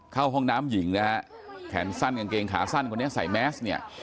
เข้าห้องน้ำหญิงนะฮะแขนสั้นกางเกงขาสั้นคนนี้ใส่แมสเนี่ย